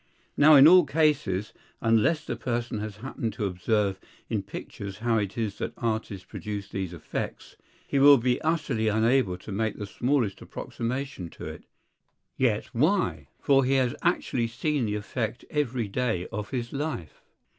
Now in all cases, unless the person has happened to observe in pictures how it is that artists produce these effects, he will be utterly unable to make the smallest approximation to it. Yet why? For he has actually seen the effect every day of his life.